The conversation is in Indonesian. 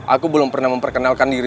aku belum pernah memperkenalkan diri